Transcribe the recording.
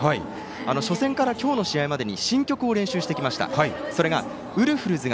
初戦から今日の試合までに新曲を練習してきました。